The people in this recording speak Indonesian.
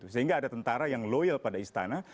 sehingga ada tentara yang loyal pada istana